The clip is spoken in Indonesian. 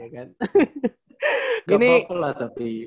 nggak apa apa lah tapi